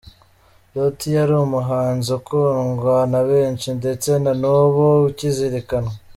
Loti yari umuhanzi ukundwa na benshi ndetse na n'ubu ukizirikanwa.